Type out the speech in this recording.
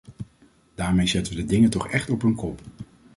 Daarmee zetten we de dingen toch echt op hun kop.